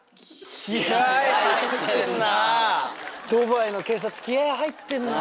ドバイの警察気合入ってんな。